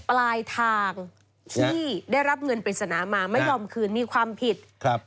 ปลายทางที่ได้รับเงินปริศนามาไม่ยอมคืนมีความผิดครับ